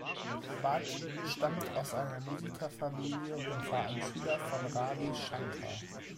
Bhatt stammt aus einer Musikerfamilie und war ein Schüler von Ravi Shankar.